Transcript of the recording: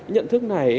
nhận thức này